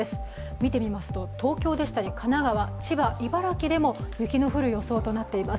見てみますと、東京でしたり、神奈川、千葉、茨城でも雪の降る予想となっています。